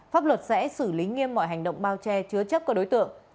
pháp luật sẽ xử lý nghiêm mọi hành động bao che chứa chấp các đối tượng